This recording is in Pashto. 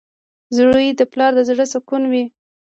• زوی د پلار د زړۀ سکون وي.